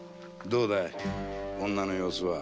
どうだ女の様子は？